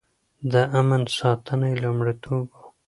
د امن ساتنه يې لومړيتوب و.